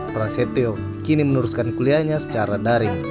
prasetya kini menuruskan kuliahnya secara daring